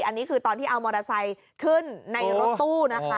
อันนี้คือตอนที่เอามอเตอร์ไซค์ขึ้นในรถตู้นะคะ